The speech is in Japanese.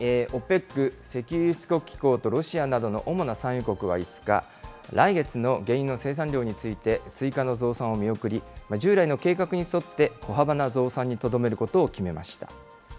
ＯＰＥＣ・石油輸出国機構とロシアなどの主な産油国は５日、来月の原油の生産量について、追加の増産を見送り、従来の計画に沿って、小幅な増産にとどめることを決めました。